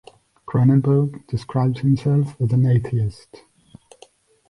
Cronenberg describes himself as an atheist.